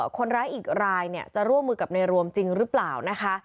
คนร้ายอีกรายจะร่วมมือกับในรวมจริงหรือเปล่านะคะ